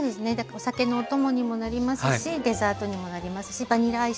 お酒のお供にもなりますしデザートにもなりますしバニラアイスとか。